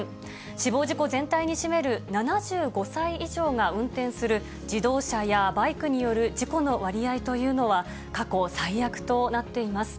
死亡事故全体に占める７５歳以上が運転する自動車やバイクによる事故の割合というのは、過去最悪となっています。